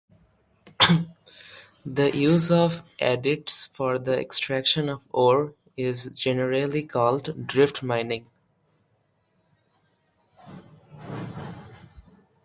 The use of adits for the extraction of ore is generally called drift mining.